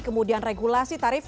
kemudian regulasi tarif